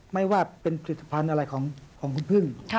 ไม่ว่าเป็นผลิตภัณฑ์อะไรของคุณพึ่ง